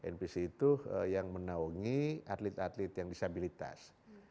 npc itu yang menaungi atlet atlet yang disabilitas